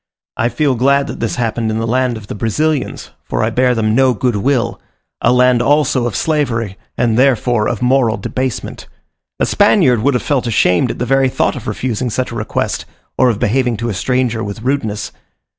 I feel glad that this happened in the land of the Brazilians, for I bear them no good will a land also of slavery, and therefore of moral debasement. A Spaniard would have felt ashamed at the very thought of refusing such a request, or of behaving to a stranger with rudeness.